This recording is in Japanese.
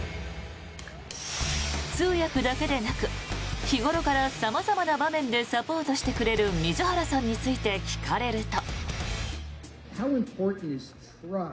通訳だけでなく日頃から様々な場面でサポートしてくれる水原さんについて聞かれると。